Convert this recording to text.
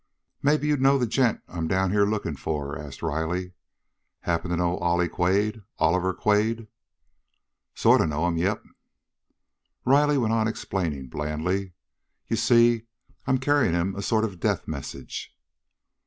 "Maybe you'd know the gent I'm down here looking for?" asked Riley. "Happen to know Ollie Quade Oliver Quade?" "Sort of know him, yep." Riley went on explaining blandly "You see, I'm carrying him a sort of a death message."